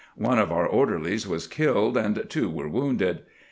One of our orderlies was kiUed, and two were wounded.